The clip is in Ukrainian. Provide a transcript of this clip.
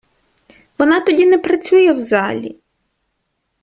Вона тоді не працює в залі!